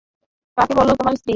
কাকে বল তোমার স্ত্রী?